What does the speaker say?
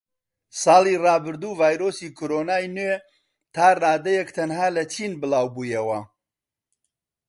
ساڵی ڕابردوو ڤایرۆسی کۆرۆنای نوێ تاڕادەیەک تەنها لە چین بڵاوبوویەوە